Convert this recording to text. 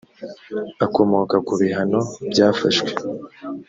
akomoka ku bihano byafashwe